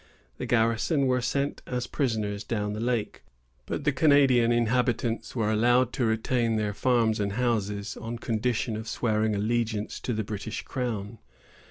The garrison were sent as prisoners down the lake, but the Canadian inhabitants were allowed to retain their farms and houses, on condition of swearing allegiance to the British crown.